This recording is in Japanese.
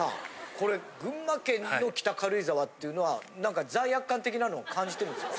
これ群馬県の北軽井沢っていうのはなんか罪悪感的なのを感じてるんですか？